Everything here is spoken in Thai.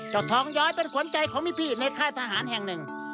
ทองย้อยเป็นขวัญใจของพี่ในค่ายทหารแห่งหนึ่ง